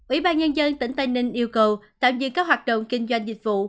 ủy ban nhân dân tỉnh tây ninh yêu cầu tạm dừng các hoạt động kinh doanh dịch vụ